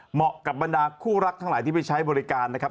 เหมาะกับบรรดาคู่รักทั้งหลายที่ไปใช้บริการนะครับ